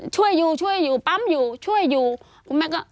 ช่วยอยู่ช่วยอยู่ปั๊มอยู่ช่วยอยู่คุณแม่ก็